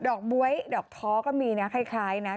ดอกบ๊วยดอกท้อก็มีคล้ายแล้ว